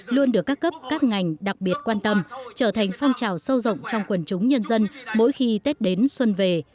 luôn được các cấp các ngành đặc biệt quan tâm trở thành phong trào sâu rộng trong quần chúng nhân dân mỗi khi tết đến xuân về